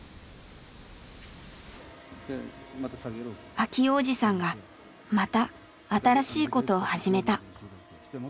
明男おじさんがまた新しいことを始めた。